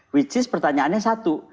yang mana pertanyaannya satu